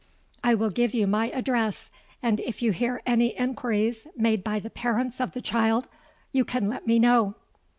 'I will give you my address; and if you hear any enquiries made by the parents of the child, you can let me know.'